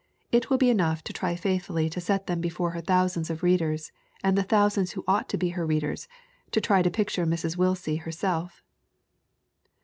It will be enough to try faithfully to set them before her thousands of readers and the thousands who ought to be her readers, to try to picture Mrs. Willsie herself.